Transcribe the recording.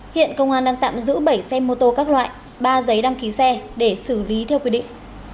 hiện công an đang tạm giữ bảy xe mô tô các loại ba giấy đăng ký xe để xử lý theo quy định